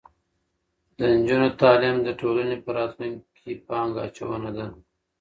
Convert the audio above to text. د نجونو تعلیم د ټولنې په راتلونکي پانګه اچونه ده.